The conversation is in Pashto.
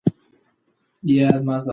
ځینې خلک هوږه د وینې لپاره کاروي.